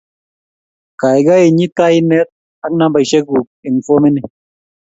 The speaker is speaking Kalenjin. Kaikai inyit kainet ak nambeshek kuk eng fomini